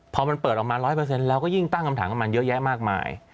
พอมันเปิดออกมา๑๐๐เราก็ยิ่งตั้งคำถามกับมันเยอะแยะมากมาย